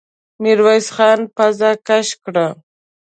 ميرويس خان پزه کش کړه.